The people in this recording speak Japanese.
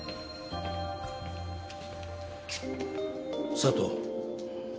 佐都。